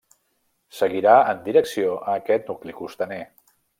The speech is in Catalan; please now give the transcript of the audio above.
Seguirà en direcció a aquest nucli costaner.